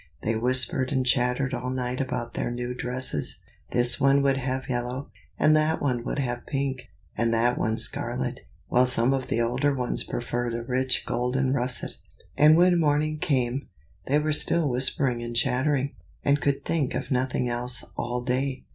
They whispered and chattered all night about their new dresses. This one would have yellow, and that one would have pink, and that one scarlet, while some of the older ones preferred a rich golden russet. And when morning came, they were still whispering and chattering, and could think of nothing else all day.